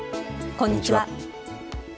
こんにちは。